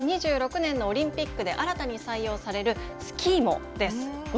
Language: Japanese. こちらは２０２６年のオリンピックで新たに採用されるスキーモです。